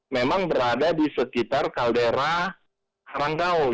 memang berada di sekitar kaldera karanggau